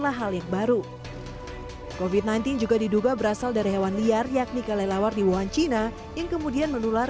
hai covid sembilan belas juga diduga berasal dari hewan liar yakni kelelawar di wuhan cina yang kemudian menular